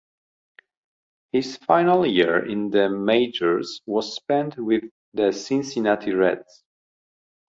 His final year in the majors was spent with the Cincinnati Reds.